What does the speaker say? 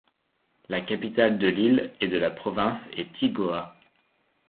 La capitale de l'île et de la province est Tigoa.